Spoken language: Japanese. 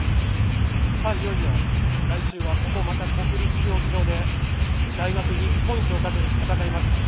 いよいよ来週はここ、国立競技場で大学日本一をかけて戦います。